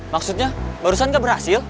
maksudnya baru saja enggak berhasil